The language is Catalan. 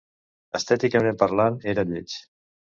Estèticament parlant, era lleig.